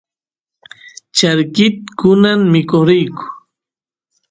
charki kunan mikoq riyku